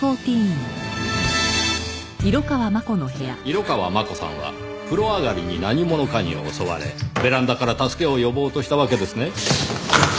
色川真子さんは風呂上がりに何者かに襲われベランダから助けを呼ぼうとしたわけですね。